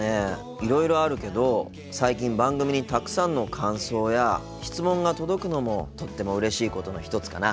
いろいろあるけど最近番組にたくさんの感想や質問が届くのもとってもうれしいことの一つかな。